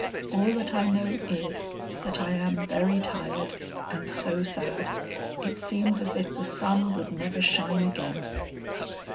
All that I know is, that I am very tired and so sad, it seems as if the sun would never shine again."